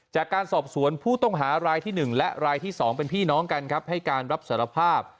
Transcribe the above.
จากการสอบสวนผู้ต้องหารายที่๑และรายที่๒เป็นพี่น้องกันครับให้การรับสารภาพ